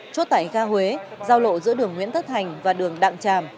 chốt tại ga huế giao lộ giữa đường nguyễn tất hành và đường đặng tràm